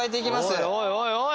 おいおいおいおい！